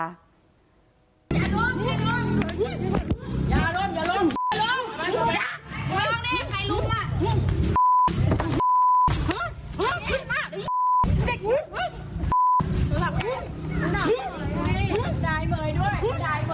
คลิปนี้